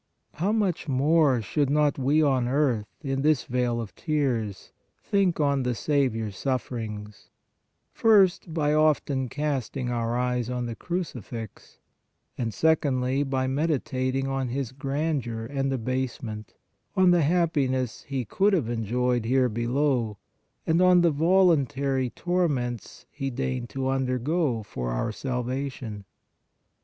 How much more should not we on earth, in this vale of tears, think on the Saviour s sufferings, first, by often casting our eyes on the crucifix, and, secondly, by meditat ing on His grandeur and abasement, on the happi ness He could have enjoyed here below, and on the 198 PRAYER voluntary torments He deigned to undergo for our salvation.